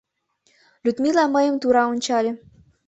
Людмила мыйым тура ончале.